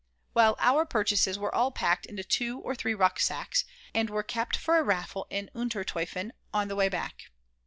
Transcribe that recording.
Well, our purchases were all packed into two or three rucksacks, and were kept for a raffle in Unter Toifen on the way back.